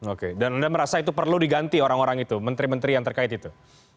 oke dan anda merasa itu perlu diganti orang orang itu menteri menteri yang terkait itu